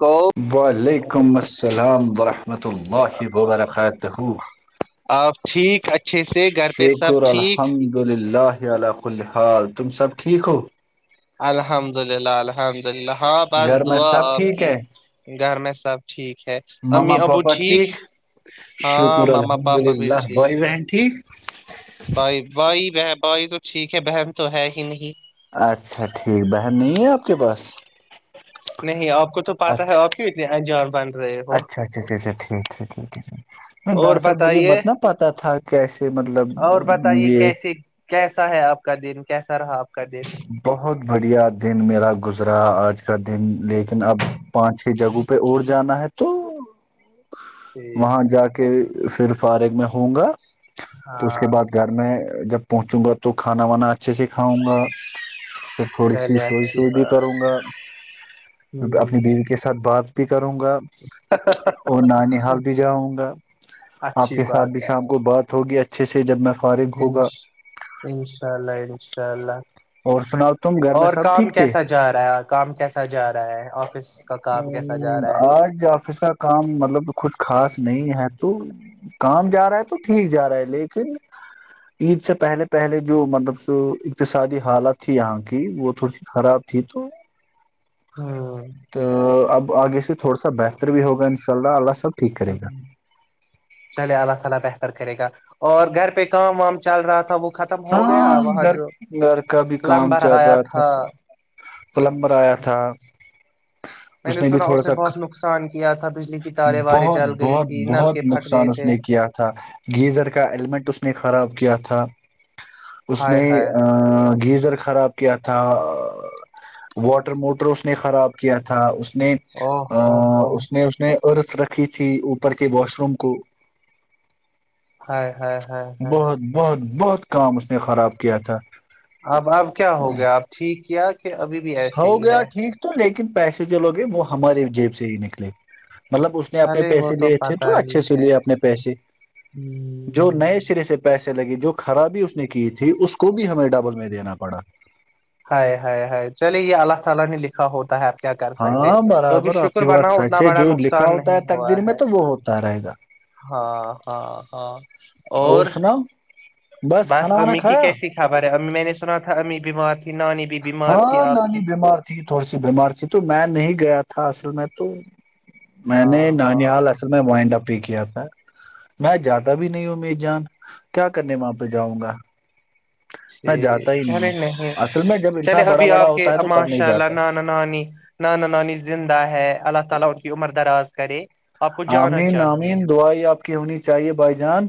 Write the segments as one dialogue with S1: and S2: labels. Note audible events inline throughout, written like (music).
S1: کو
S2: والالڈ ععلیکم السلام ورحمۃ اللہ وبرکاتہ (unintelligible)
S1: ا ٹھیک ہے (unintelligible)
S2: شخر الحمد اللہ (unintelligible) جی اللہ اللہال تم سب ٹھیک ہو (unintelligible)
S1: الحمد للہ الحمد (unintelligible) دلہ آپس
S2: گھر میں
S1: دعا
S2: سب
S1: آپ
S2: ٹھیک
S1: کی
S2: ہے
S1: گھر میں (unintelligible) سب ٹھیک (inaudible)
S2: مما
S1: امی ابو
S2: پاپا ٹھیک
S1: ہے ہاں
S2: شکر
S1: ماما
S2: الحمد
S1: پاپا بھی
S2: اللہ بھائی
S1: ٹھیک ہے
S2: بہن ٹھیک (unintelligible)
S1: بھائی بھائی ب (unintelligible) بائی تو ٹھیک ہے بہن تو ہے ہی نہیں (unintelligible)
S2: اچھا ٹھیک بہن نہیں ہے آپ کے پاس (unintelligible)
S1: نہیں اب (inaudible) کو تو پاتا ہے
S2: اچھا
S1: اور کی اتنے انج (unintelligible)
S2: اچھا اچھا اچھا اچھا ٹھیک ھیک ٹھیک
S1: اور
S2: دراصل مجھے
S1: بتائیے
S2: مت نہ پتہ تھا کیسے مطلب
S1: اور بتائیے
S2: یہ
S1: کیسے کیسا ہے آپ کا دن
S2: (unintelligible)
S1: کیسا رہا آپ (unintelligible)
S2: بہت بڑھیا دن میرا گز (unintelligible) گزرا آج کا دن لیکن اب پانچ ہی جگہوں پہ اور جانا ہے تو (inaudible)
S1: ٹھیک
S2: وہاں جا کے (unintelligible) پھر فارغ میں ہوں گا (unintelligible) تو اس کے
S1: ہاں
S2: بعد گھر میں جب (unintelligible) پہنچوں گا تو کھانا وانا اچھے سے کھاؤں گا (unintelligible) پھر تھوڑی سی
S1: چلے
S2: سوئی
S1: اچھی
S2: سوئی بھی
S1: بات
S2: کروں گا اپنی
S1: ہ
S2: بیوی کے ساتھ بات بھی کروں گا اور نانی حال بھی جاؤں گا آپ
S1: اچھی
S2: کے ساتھ
S1: بات
S2: بھی شام کو بات ہوگی اچھا چھ جب میں فارغ ہوگا
S1: انا انشاء اللہ انشاء اللہ
S2: اور سناؤ تم گھر میں
S1: اور
S2: سب
S1: کام
S2: ٹھیک تھے
S1: کیسا جا رہا ہے کام کیسا جا رہا ہے آفس کا کام کیسا جا رہا
S2: ہ
S1: ہے
S2: آج آفس کا کام مطلب کھ خاص نہیں ہے تو کام جا رہا ہے تو ٹھیک جا رہا ہے لیکن عید سے پہلے پہلے جو مطلب س اقتصادی حالت تھی یہاں کی وہ تھوڑی سی خراب تھی تو
S1: ہوں
S2: تو اب آگے سے تھوڑا سا بہتر بھی ہوگا ا ان شاء اللہ اللہ سب ٹھیک کرے
S1: ہ
S2: گا
S1: چلے اللہ تعالی ب کرے گا اور گھر پہ کام وام چل رہا تھا وہ ختم ہو
S2: ہاں
S1: گیا وہاں
S2: گھر
S1: جو
S2: گھر کا بھی کام
S1: پلمبر
S2: چل
S1: آیا
S2: رہا تھا پلمبر آیا تھا
S1: میں
S2: اس نے بھی
S1: سنا
S2: تھوڑا سا
S1: بہت نقصان کیا تھا بجلی کی تارے وارے
S2: بہت
S1: جل گئی
S2: بہت
S1: تھی نل کے
S2: بہت
S1: پھٹ گئے
S2: نقصان اس
S1: تھے
S2: نے کیا تھا گیزر کا ایلیمنٹ اس نے خراب کیا تھا اس
S1: ہائے
S2: نے
S1: ہائے ہائے،
S2: گیزر خراب کیا تھا واٹر موٹر اس نے خراب کیا تھا اس اس نے
S1: اوہ اوہ اوہ
S2: اس اس نے ار رکھ رکھی تھی اوپر کے واش روم کو
S1: ہ (inaudible) ہاں ہاں ہاں
S2: بہت بہت بہت کام اس نے خراب کیا تھا
S1: اب اب کیا ہو گیا آپ ٹھیک کیا کہ ابھی بھی ایسے
S2: ہو
S1: ہی
S2: گیا
S1: ہے
S2: ٹھیک تو لیکن پیسے جو لگے وہ ہماری جیب سے ہی نکلے مطلب اس نے اپنے
S1: چلے وہ
S2: پیسے لیے ا تھے
S1: پتہ
S2: تو
S1: ہی
S2: اچھے سے
S1: ہے
S2: لیے اپنے پیسے
S1: ہوں
S2: جو نئے سرے سے پیسے لگی جو خرابی اس نے کی تھی اس کو بھی ہمیں ڈبل میں دینا پڑا
S1: ائے ہائے ہائے چلیں یہ اللہ تعالی نے لکھا ہوتا کیا کر سکتے
S2: ہاں
S1: تو بھی
S2: برابر آپ
S1: شکر
S2: کی بات
S1: بناؤ اتنا
S2: سچ ہے
S1: بڑا
S2: جو لکھا
S1: نقصان
S2: ہوتا
S1: نہیں
S2: ہے
S1: ہوا
S2: تقدیر میں
S1: ہے
S2: تو وہ ہوتا رہے گا
S1: ہاں ہاں ہاں اور بس
S2: کھانا وانا
S1: امی کی
S2: کھایا
S1: کیسی کابر ہے امی میں نے سنا تھا امی بھی بیمات نانی بھی بیمار تھی
S2: ہاں
S1: آپ کی
S2: نانی بیمار تھی تھوڑی سی بیمار تھی تو میں نہیں گیا تھا اصل میں تو میں
S1: ہاں
S2: نے
S1: ہاں
S2: نحال اصل میں مڈا (unintelligible) کیا تھا میں جاتا بھی نہیں ہوںمی جان کیا کرنے وہاں پہ جاؤں گا میں جاتا
S1: ٹھیک
S2: ہی نہیں
S1: چلے
S2: اصل میں
S1: چلے
S2: انسان بڑا
S1: ابھی
S2: بڑا
S1: آپ کے
S2: ہوتا ہے تو تب نہیں
S1: ماشاء اللہ
S2: جاتا
S1: نانا نانی نانا نانی زندہ ہے اللہ تعالی اس کی عمر دراز کرے آپ کو جانا
S2: آمین
S1: چاہیے
S2: آمین دعائی آپ کی ہونی چاہیے بھائی جان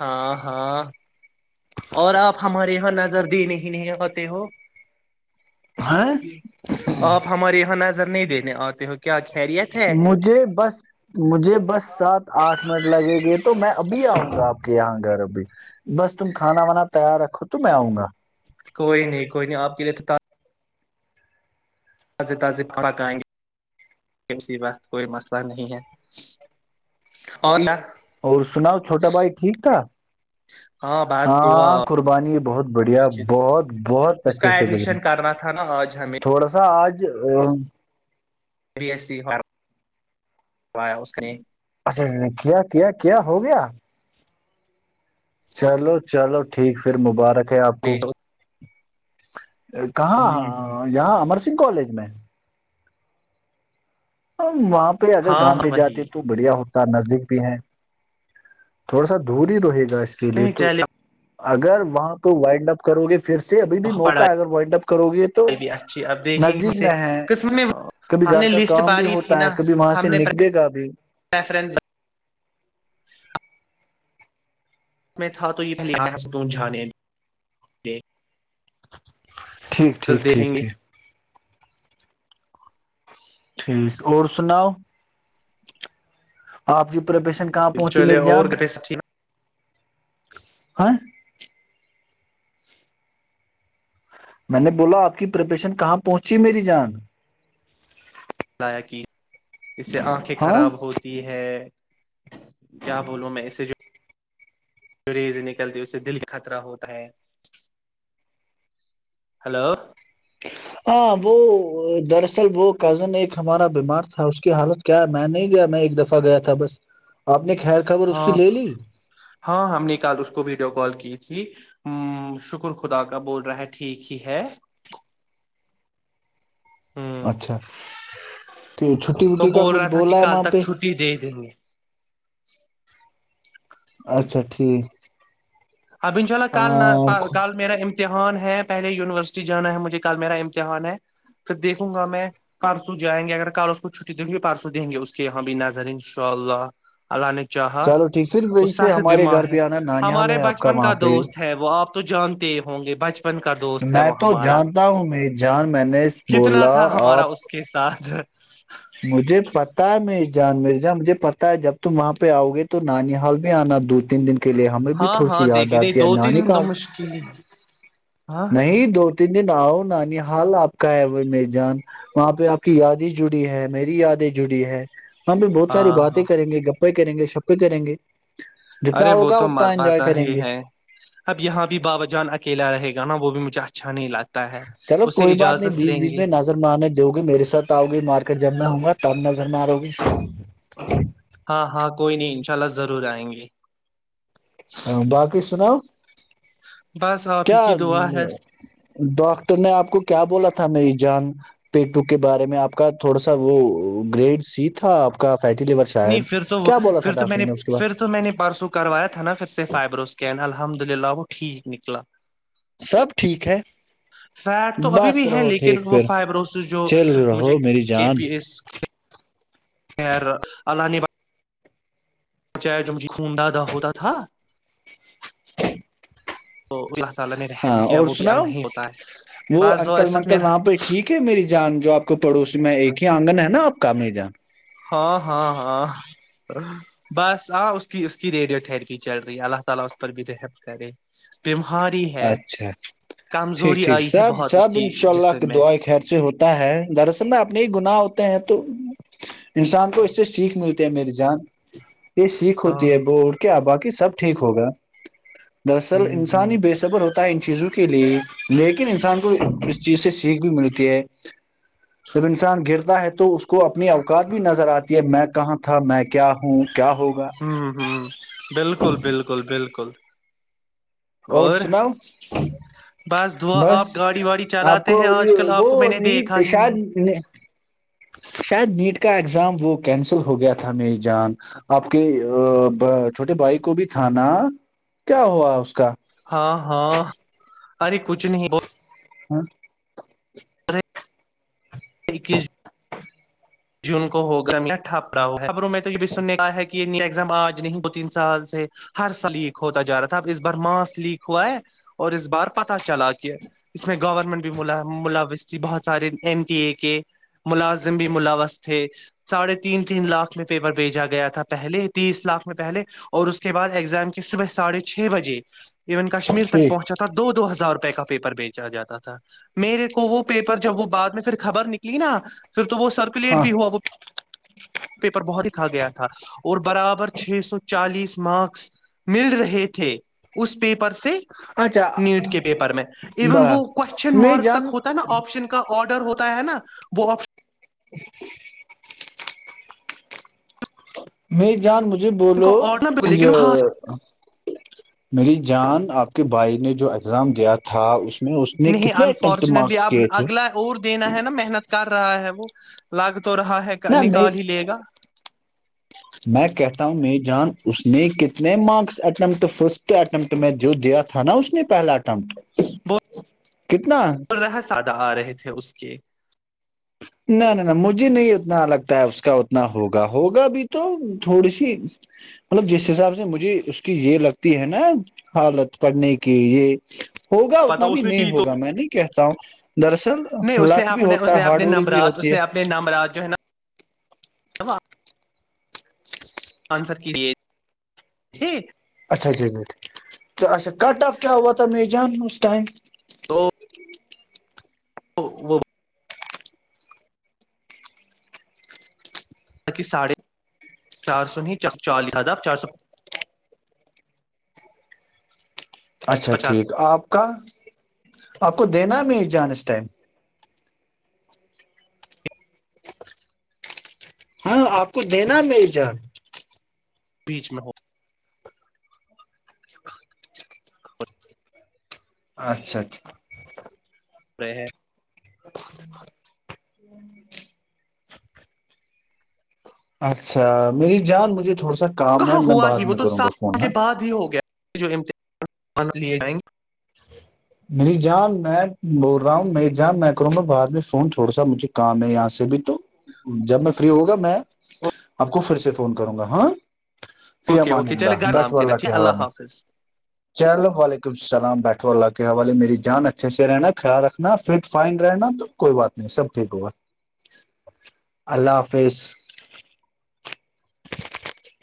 S1: ہاں ہاں اور آپ ہمارے یہاں نظر دینے ہی نہیں قتے ہو
S2: ہیں
S1: آپ ہمارے یہاں نظر نہیں دیک آتے ہو کیا خیریت ہے
S2: مجھے بس مجھے بس سات آٹھ منٹ لگے گی تو تو میں ابھی آؤں گا آپ کے یہاں گھر بس تم کھانا وانا تیار رکھو تو میں آؤں گا
S1: کوئی نہیں کوئی نہیں آپ کے لیے تو تاز تازڑئیں گے کسی وقت کوئی مسئلہ نہیں ہے اور نہ (unintelligible) (inaudible)
S2: اور سناؤ چھوٹا بھائی ٹھیک تھا
S1: ہاں بس دعا
S2: ہاں قربانی بہت بڑھیا بہت بہت
S1: اس کا
S2: اچھے سے گزری
S1: ایڈمیشن کرنا تھا نا آج ہمیں
S2: تھوڑا سا آج ہ (inaudible)
S1: بی ایس سیا اس نے (unintelligible) (inaudible)
S2: اچھا کیا کیا کیا ہو گیا چلو چلو ٹھیک پھر مبارک کیا آپ کو (inaudible) کہاں یہاں امر سنگھ کالج میں اور وپ (unintelligible) پہ اگر
S1: ہاں ہاں
S2: گاندے
S1: وہی
S2: جاتے تو بڑھیا ہوتا نزدیک بھی ہیں تھوڑا سا دوری رہے گا اس کے لیے
S1: نہیں
S2: تو
S1: چلے
S2: اگر وہاں کو وائنڈ اپ کرو گے پھر سے ابھی بھی موقع ہے
S1: پڑھائی
S2: اگر وائنڈ اپ کرو گے تو
S1: بھی اچھی اب دیکھیں گے
S2: نزدیک
S1: سے
S2: میں ہے
S1: قسم میں
S2: کبھی
S1: ہم
S2: گھر
S1: نے
S2: کا
S1: لسٹ
S2: کام بھی
S1: باری تھی
S2: ہوتا ہے
S1: نا
S2: کبھی وہاں
S1: ہم
S2: سے
S1: نے
S2: نکلے گا بھی
S1: پریفرنس میں تھا تو یہ پ ت جھانے (unintelligible)
S2: ٹھیک
S1: پھر
S2: ٹھیک ٹھیک
S1: دیکھیں
S2: ٹھیک
S1: گے
S2: ٹھیک اور سناؤ آپ کی پیشنٹ کہاں پہنچو
S1: چلے
S2: میری
S1: اور
S2: جان
S1: گٹے سبھی
S2: ہ (inaudible) میں نے بولا آپ کی پرپیشن کہاں پہنچی میری جان
S1: ائع کی اس سے آنکھیں
S2: ہاں
S1: خراب ہوتی ہے کیا بولوں میں اسے جو گریز نکلتی اس سے دل خطرہ ہوتا ہے ہلو
S2: ہاں وہ دراصل وہ کزن ایک ہمارا بیمار تھا اس کی حالت کیا ہے میں نہیں گیا میں ایک دفعہ گیا تھا بس آپ نے خیر خبر اس کی
S1: ہاں
S2: لے لی
S1: ہاں ہم نے کل اس کو ویڈیو کال کی ج ہ شکر خدا کا بول رہا ہے ٹھیک ہی ہے ہ
S2: اچھا تو چھٹی
S1: تو
S2: وٹی کا
S1: بول
S2: کچھ
S1: رہا تھا کہ
S2: بولا ہے
S1: کل
S2: وہاں
S1: تک
S2: پہ
S1: چھٹی دے دیں گے
S2: اچھا ٹھیک
S1: اب ان شاء اللہ کال
S2: ہاں
S1: کال میرا امتحان ہے پہلے یونیورسٹی جانا ہے مجھے کل میرا امتحان ہے پھر دیکوں گا میں پرسوں جائیں گے اگر کل اس کو چھٹی دوں گی پرسوں دیں گے اس کے یہاں بھی نظر انشاء اللہ اللہ نے چاہا
S2: چلو ٹھیک پھر وہی سے ہمارے گھر بھی آنا نانیال ہے آپ کا
S1: بن کا
S2: وہاں پہ
S1: دوست ہے وہ آپ تو جانتے ہی ہوں گے بچ
S2: میں تو جانتا ہوں میری جان میں نے
S1: کتنا
S2: بولا
S1: تھا ہمارا
S2: آپ
S1: اس کے ساتھ
S2: مجھے پتا ہے میری جان مرزا مجھے پتا ہے جب تم وہاں پہ آؤ گے تو نانی ہال بھی آنا دو تین دن کے لیے ہمیں بھی
S1: ہاں
S2: تھوڑی سی
S1: ہاں
S2: یاد
S1: دیکھیے نہیں
S2: آتی ہے
S1: دو
S2: نانی
S1: تین دن تو
S2: کال
S1: مشکل ہی ہاں
S2: نہیں دو تین دن آؤ نانی حال آپ کا ہے وہ م جان وہاں پہ آپ کی یادیں جڑی ہے میری یادیں جڑی ہے ہماں بھی بہت ساری
S1: ہاں
S2: باتیں
S1: ہاں
S2: کریں گے گ پے کریں گے شپے کریں گے جتنا
S1: ارے وہ
S2: ہوگا
S1: تو
S2: اتنا
S1: مات
S2: انجوائے کریں
S1: ہی
S2: گے
S1: ہے اب یہاں بھی بابا جان اکیلا رہے گا نا وہ بھی مجھ جاچ
S2: چلو کوئی بات نہیں بیچ
S1: لیں
S2: بیچ
S1: گے
S2: میں نظر مارنے جؤ گے میرے سات آؤ گے مارکیٹ جب میں ہوں گا ھر مارو گی
S1: ہاں ہاں کوئی نہیں ان شاء اللہ ضرور آئیں گے
S2: ہاں باقی سناؤ
S1: بس آپ ہی
S2: کیا
S1: کی دعا ہے
S2: ڈاکٹر نے آپ کو کیا بولا تھا تھا میری جان پیٹو کے بارے میں آپ کا تھوڑا سا وہ گریڈ سی تھا آپ کا فیٹی لیور
S1: نہیں
S2: شاید
S1: پھر تو وہ
S2: کیا بولا
S1: پھر
S2: تھا
S1: تو میں
S2: ڈاکٹر
S1: نے
S2: اس کے بعد
S1: پھر تو میں نے پرسوں کروایا تھا نا پھر سے فائبرو اسکین الحمد للہ وہ ٹھیک نکلا
S2: سب ٹھیک ہے
S1: فیٹ تو ابھی
S2: بس
S1: بھی ہے
S2: رہو ٹھیک
S1: لیکن وہ
S2: پھر
S1: فائبروسس جو
S2: چل رہو
S1: مجھے
S2: میری
S1: کے
S2: جان
S1: پی ایس خیر اللہ نے ب چ جو مجھے خون داد ہوتا تھا
S2: (inaudible)
S1: ا (inaudible)
S2: ہاں اور سناؤ وہ
S1: بس دو
S2: انکل
S1: عزت
S2: ونکل
S1: میرا
S2: وہاں پہ ٹھیک ہے میری جان جو آپ کو پڑوسی میں ایک ہی آنگن ہے نا آپ کا م جان
S1: ہاں ہاں ہاں (inaudible) ہے
S2: اچھا ٹھیک
S1: کمزوری
S2: ٹھیک
S1: آئی ہے
S2: سب
S1: بہت
S2: سب
S1: اس کی
S2: ان شاء اللہ
S1: جسم میں
S2: دعا خیر سے ہوتا ہے دراصل میں اپنے ہی گناہ ہوتا ہیں تو انسان کو اس سے سیکھ ملتی ہے میری جان یہ سیکھ
S1: ہاں
S2: ہوتی ہے ب ا کیا باقی کہ سب ٹھیک ہوگا (unintelligible) دراصل
S1: ہوں
S2: انسانی
S1: ہوں
S2: ہی بیےسک (unintelligible) ان چیزوں کے لیے لیکن انسان کو اس چیز سے سیکھ بھی ملتی ہے جب انسان گرتا ہے تو اس کو (unintelligible) کو اپنی اوقات بھی نظر آتی ہے میک (unintelligible) کہاں تھا میں کیا ہوں (unintelligible)
S1: ہوں ہوں بالکل بالکل بالکل (unintelligible)
S2: اور سناؤ
S1: دعا
S2: بس
S1: آپ گاڑی واڑی
S2: آپ کو
S1: چلاتے ہیں آج کل
S2: وہ
S1: آپ کو میں نے
S2: نیٹ
S1: دیکھا ہی
S2: شاید
S1: نہیں
S2: (unintelligible) شاید نیٹ کا ایگزام وہ کینسل ہو گیا تھا میری جان آپ کے چھوٹے بھائی کو بھی تھا نا کیا ہوا اس کا (unintelligible)
S1: ہاں ہاں (unintelligible) ارے کچھ نہیں ب (unintelligible)
S2: ہاں (inaudible)
S1: ایکک (inaudible) جون کو ہوگا ٹھاپڑا ہو (unintelligible) خبروں میں تو یہو نے کہا کہ یہ (unintelligible) آج نہیں دو تین سال سے ہر سال لیک ہوتا جا رہا تھا اب اس بار ماس لیک ہوا ہے اور اس بار پتا چلا کہ اس میں گورنمنٹ بھی ملث تھی بہت سارے این ٹی اے کے (unintelligible) ملازم بھی ملاوث (inaudible) تھے ساڑھے تین تین لاکھ میں پیپر بھیجا گیا تھا پہلے تیس لاکھ میں پہلے اور اس کے بعد ایگزام (unintelligible) کے صبح ساڑھے چھ بجے ایون کشمیر تک
S2: ٹھیک
S1: پہنچا تھا دو ہزار (unintelligible) کا پیپر بیچا جاتا تھا میرے کو وہ پیپر جب وہ بع میں پھر خبر نکلی نا پھر تو وہ سب (unintelligible) پلیٹ
S2: ہاں
S1: بھی ہوا وہ (unintelligible) پیپر بہت دکھا گیا تھا اور برابر چھ سو چالیس مارکس مل رہے تھے اس (unintelligible) پیپر سے
S2: اچھا
S1: نیٹ کے پیپر میں ایون
S2: بڑا
S1: وہ کوشچن
S2: میں
S1: مارک تک
S2: جان
S1: ہوتا ہے نا آپشن کا آرڈر ہوتا ہے نا وہ آپشن
S2: (unintelligible) نہیں جان مجھے جی
S1: کا
S2: بولو
S1: آرڈر
S2: ج
S1: لیکن ہاں
S2: میری جان آپ کے بھائی نے جو اگزام دیا تھا اس میں اس نے
S1: نہیں
S2: کتنے اٹمپٹ
S1: انفارچونیٹلی
S2: مارکس
S1: اب
S2: کیے تھے
S1: اگلا اور دینا ہے نا محنت کر رہا ہے وہ لگتا تو رہا ہے
S2: نہ میں
S1: نکال ہی لے گا
S2: میں کہتا ہوں نہیں جان اس نے کتنے مارکس اٹمپٹ فرسٹ اٹمپٹ میں جو دیا تھا نا اس نے پہلا اٹپ کم کتنا
S1: بول رہا سادہ آ رہے تھے اس کے
S2: نہ نہ نہ مجھے نہیں اتنا لگتا ہے اس کا اتنا ہوگا ہوگا بھی تو تھوڑی سی مطلب جس حساب سے مجھے اس کی یہ لگتی ہے نا حالت پڑنے کی یہ ہوگا
S1: پتا
S2: اتنا بھی
S1: اس نے
S2: نہیں
S1: کی تو
S2: ہوگا میں نہیں کہتا ہوں دراصل لک بھی ہوتا ہے ہارڈ بھی
S1: رات اس
S2: ہوتی ہے
S1: نے اپنے نام رات جو ہے نا ہاں آنسر کی لیے ج
S2: تو اچھا کٹ آف کیا ووا می جان ٹائم
S1: تو وہ حالہ ساڑھے چار سو نہیں چالیس آداب چار سو
S2: اچھا
S1: پچاس
S2: ٹھیک آپ کا آپ کو دینا بھی جان اس ٹائم ہاں آپ کو دینا مل جا
S1: بیچ میں ہو
S2: اچھا اچھا
S1: پڑے ہیں
S2: (inaudible) اچھا میری جان مجھے تھوڑ س ا کام ہے
S1: کہاں
S2: میں
S1: ہوا
S2: بعد
S1: ہی وہ
S2: میں
S1: تو
S2: کروں گا فون
S1: سال کے
S2: ہاں
S1: بعد ہی ہو گیا جو ات لی جائیں گے
S2: میری جان میں بول رہا ہوں میری جان میں کروں گا بعد میں فون تھوڑا سا مجھے کام ہے یہاں سے بھی تو جب میں فری ہوگا میں
S1: گے
S2: آپ کو پھر سے فون کروں گا ہاں فی
S1: اوکے
S2: امان
S1: اوکے چلے
S2: اللہ
S1: گا
S2: بیٹھو
S1: کہنا
S2: اللہ کے
S1: ٹھیک
S2: حوالے
S1: حافظ
S2: چلو وعلیکم ولیکمسلامٹ (inaudible) تو اللہ کے حوالے میری جان اچھے سے رہنا خیال رکھنا فٹ فائن رہنا تو کوئی بات نہیں سب ٹھیک ہوگا اللہ حافظ (unintelligible)